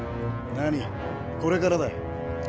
何これからだよ。